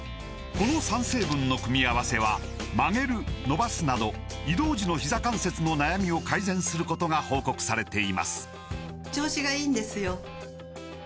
この３成分の組み合わせは曲げる伸ばすなど移動時のひざ関節の悩みを改善することが報告されています